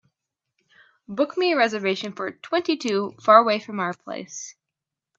Book me a reservation for twenty two faraway from our place